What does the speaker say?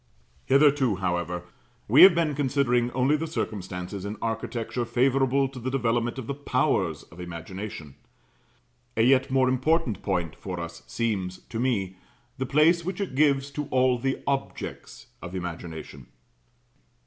Hitherto, however, we have been considering only the circumstances in architecture favourable to the development of the powers of imagination. A yet more important point for us seems, to me, the place which it gives to all the objects of imagination.